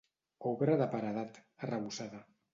Obra de paredat, arrebossada.